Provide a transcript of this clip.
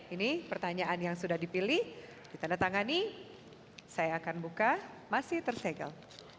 ini pertanyaan yang sudah dipilih ditandatangani saya akan buka masih tersegel